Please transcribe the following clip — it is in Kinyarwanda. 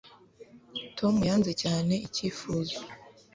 tom yanze cyane icyifuzo